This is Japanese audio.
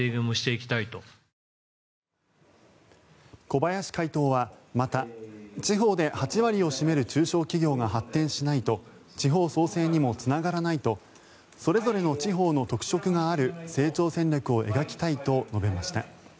小林会頭はまた地方で８割を占める中小企業が発展しないと地方創生にもつながらないとそれぞれの地方の特色がある成長戦略を描きたいと述べました。